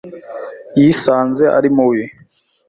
Yisanze ari mubi .